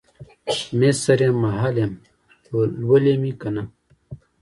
مصریم ، محل یمه ، لولی مې کنه